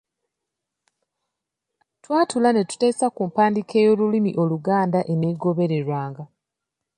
Twatuula ne tuteesa ku mpandiika y'olulimi Oluganda eneegobererwanga.